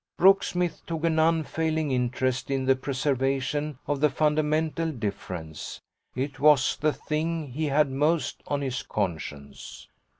Brooksmith took an unfailing interest in the preservation of the fundamental difference; it was the thing he had most on his conscience.